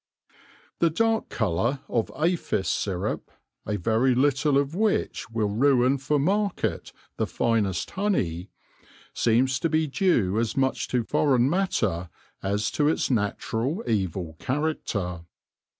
The dark colour of aphis syrup — a very little of which will ruin for market the finest honey — seems to be due as much to foreign matter as to its natural evil character.